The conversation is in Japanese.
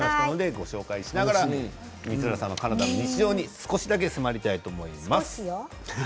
ご紹介しながら光浦さんのカナダの日常に少しだけ迫りたいと思います。